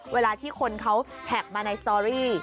เวลาที่คนเขาแท็กมาในสตอรี่